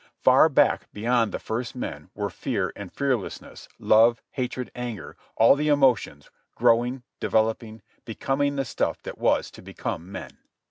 Far back beyond the first men were fear and fearlessness, love, hatred, anger, all the emotions, growing, developing, becoming the stuff that was to become men.